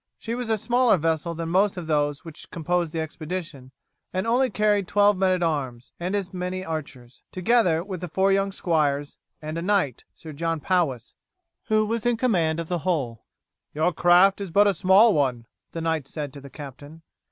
She was a smaller vessel than most of those which composed the expedition, and only carried twelve men at arms and as many archers, together with the four young squires, and a knight, Sir John Powis, who was in command of the whole. "Your craft is but a small one," the knight said to the captain.